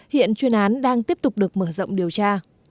hiện chuyên án đang tiếp tục được mở rộng điều tra